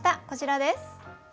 こちらです。